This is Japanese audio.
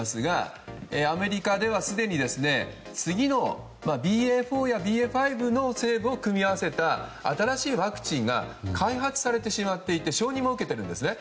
アメリカではすでに次のＢＡ．４やＢＡ．５の成分を組み合わせた新しいワクチンが開発されてしまっていて承認も受けているんですね。